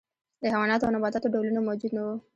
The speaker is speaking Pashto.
د حیواناتو او نباتاتو ډولونه موجود نه وو.